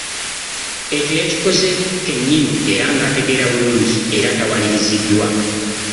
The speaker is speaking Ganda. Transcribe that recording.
Ekyo yakikoze kennyini era ng'ategeera bulungi era tawaliriziddwa.